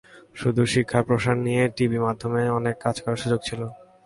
শুধু শিক্ষার প্রসার নিয়েই টিভি মাধ্যমে অনেক কাজ করার সুযোগ ছিল।